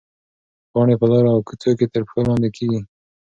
پاڼې په لارو او کوڅو کې تر پښو لاندې کېږي.